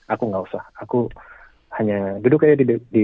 aku hanya duduk aja